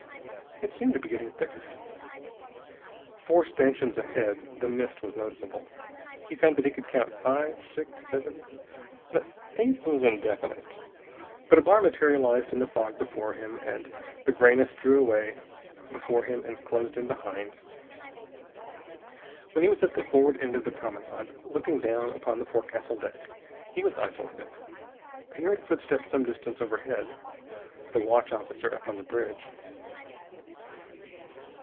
It seemed to be getting thicker. Four stanchions ahead, the mist was noticeable. He found that he could count five, six, seven.... The eighth was indefinite. But a bar materialized in the fog before him, and the grayness drew away before him and closed in behind. When he was at the forward end of the promenade, looking down upon the forecastle deck, he was isolated. He heard footsteps some distance overhead. The watch officer up on the bridge.